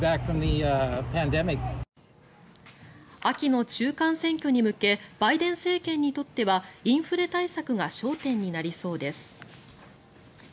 秋の中間選挙に向けバイデン政権にとってはインフレ対策が焦点になりそうです。